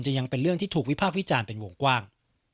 ยังเป็นเรื่องที่ถูกวิพากษ์วิจารณ์เป็นวงกว้าง